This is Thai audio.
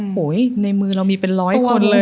โหยในมือเรามีเป็นร้อยคนเลย